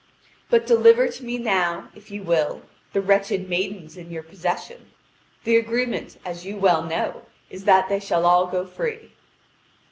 But deliver to me now, if you will, the wretched maidens in your possession. The agreement, as you well know, is that they shall all go free."